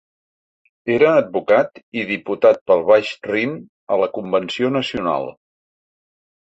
Era advocat i diputat pel Baix Rin a la Convenció Nacional.